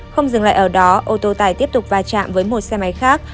không dừng lại ở đó ô tô tải tiếp tục va chạm với một xe máy khác